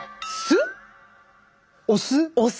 お酢？